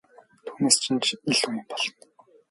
Түүнээс чинь ч илүү юм болно!